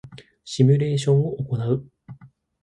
シミュレーションを行う